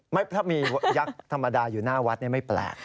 ไม่ถ้ามียักษ์ธรรมดาอยู่หน้าวัดไม่แปลก